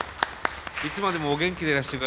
いつまでもお元気でいらしてください。